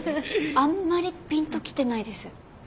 あんまりピンと来てないです。